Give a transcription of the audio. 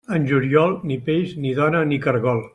En juliol, ni peix, ni dona, ni caragol.